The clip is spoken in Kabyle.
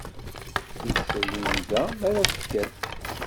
Isel i nnda mi ara tekkat.